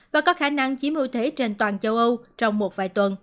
và có khả năng chiếm ưu thế trên toàn châu âu trong một vài tuần